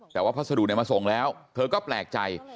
แต่ว่าพัสดุมาส่งแล้วเธอก็แปลกใจ